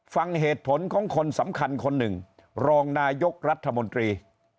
ฟังเหตุผลของคนสำคัญคนหนึ่งรองนายกรัฐมนตรี